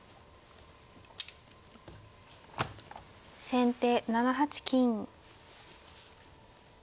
先手７八金。